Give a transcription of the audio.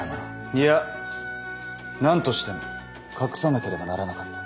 いや何としても隠さなければならなかった。